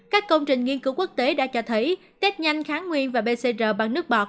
các công trình nghiên cứu quốc tế đã cho thấy test nhanh kháng nguyên và pcr bằng nước bọt